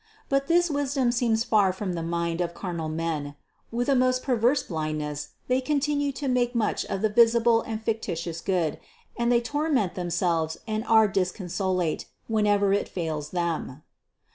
But this wisdom seems far from the mind of carnal men: with a most perverse blindness they continue to make much of the visible and fictitious good, and they torment themselves and are disconsolate, whenever it fails them.